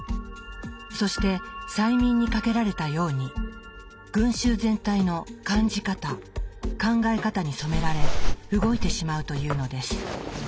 そして催眠にかけられたように群衆全体の感じ方考え方に染められ動いてしまうというのです。